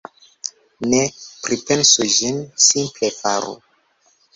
Ne pripensu ĝin, simple faru.